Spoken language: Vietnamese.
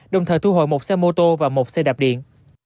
đồng thời thu hồi một xe mô tô và một xe đạp điện